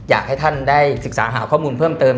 อยากให้ท่านได้ศึกษาหาข้อมูลเพิ่มเติม